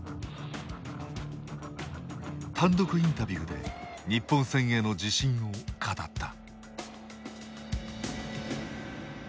単独インタビューで日本戦への自信を語った。